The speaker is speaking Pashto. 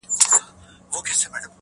سي خوراک د توتکیو د مرغانو!!